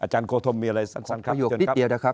อโธมมีอะไรสังคมขอโยคนิดเดียวนะครับ